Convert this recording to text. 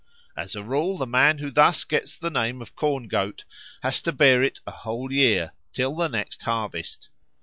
As a rule, the man who thus gets the name of Corn goat has to bear it a whole year till the next harvest.